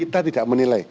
kita tidak menilai